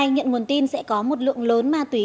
nhận nguồn tin sẽ có một lượng lớn ma túy